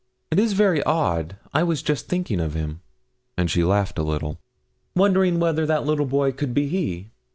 It is very odd, I was just thinking of him;' and she laughed a little. 'Wondering whether that little boy could be he.'